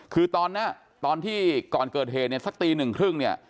คือตอนนั้นตอนที่ก่อนเกิดเหตุเนี่ยสักตีหนึ่งครึ่งเนี่ย